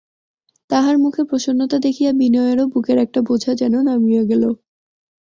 তাঁহার মুখে প্রসন্নতা দেখিয়া বিনয়েরও বুকের একটা বোঝা যেন নামিয়া গেল।